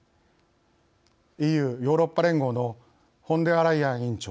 ＥＵ＝ヨーロッパ連合のフォンデアライエン委員長